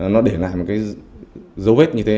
nó để lại một cái dấu vết như thế